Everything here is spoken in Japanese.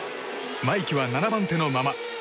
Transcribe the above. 真生騎は７番手のまま。